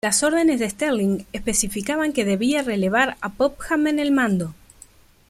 Las órdenes de Stirling especificaban que debía relevar a Popham en el mando.